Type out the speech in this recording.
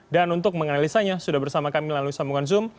dan untuk menganalisanya sudah bersama kami lalu sambungan zoom